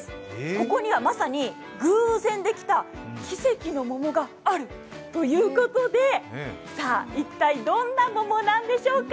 ここにはまさに偶然できた奇跡の桃があるということで一体どんな桃なんでしょうか。